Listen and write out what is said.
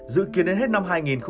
dự kiến đến hết năm hai nghìn hai mươi